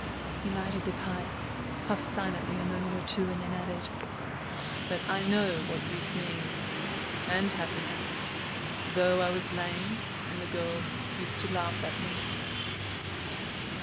He lighted the pipe, puffed silently a moment or two, and then added: "But I know what youth means, and happiness, though I was lame, and the girls used to laugh at me."